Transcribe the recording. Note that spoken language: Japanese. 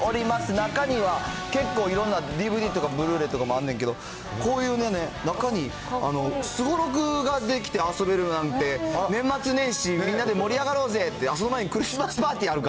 中には、結構いろんなＤＶＤとかブルーレイとかもあるねんけど、こういうね、中に、すごろくができて遊べるなんて、年末年始、みんなで盛り上がろうぜって、その前にクリスマスパーティーあるか。